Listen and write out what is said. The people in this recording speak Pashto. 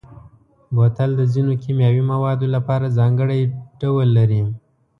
بوتل د ځینو کیمیاوي موادو لپاره ځانګړی ډول لري.